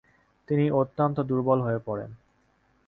তিনি অত্যন্ত দুর্বল হয়ে পড়েন।